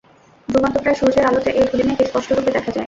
ডুবন্তপ্রায় সূর্যের আলোতে এ ধূলিমেঘ স্পষ্টরূপে দেখা যায়।